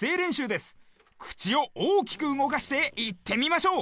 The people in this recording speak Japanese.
くちをおおきくうごかしていってみましょう。